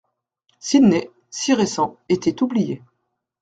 Sidney, si récent, était oublié.